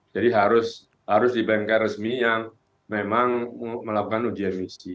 jadi harus di bengkel resmi yang memang melakukan uji emisi